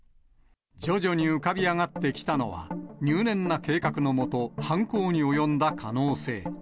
徐々に浮かび上がってきたのは、入念な計画の下、犯行に及んだ可能性。